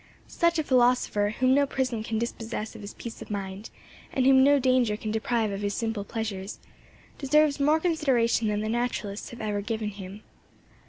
Such a philosopher, whom no prison can dispossess of his peace of mind, and whom no danger can deprive of his simple pleasures, deserves more consideration than the naturalists have ever given him.